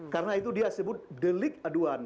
karena itu dia sebut delik aduan